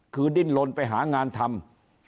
คือดิ้นลนไปหางานทำ